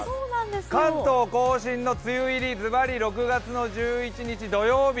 関東甲信の梅雨入り、ズバリ６月１１日土曜日。